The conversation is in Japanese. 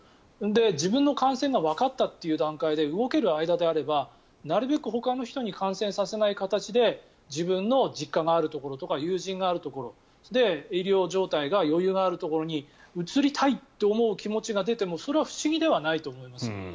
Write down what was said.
自分の感染がわかったという段階で動ける間であればなるべくほかの人に感染させない形で自分の実家があるところとか友人があるところ医療状態の余裕があるところに移りたいという気持ちが出てもそれは不思議ではないと思います。